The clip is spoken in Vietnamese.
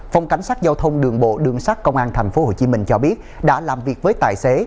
phòng cảnh sát giao thông đường bộ đường sát công an tp hcm cho biết đã làm việc với tài xế